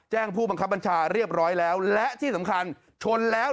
ผู้บังคับบัญชาเรียบร้อยแล้วและที่สำคัญชนแล้ว